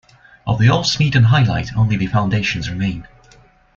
Of the old Smeaton high light only the foundations remain.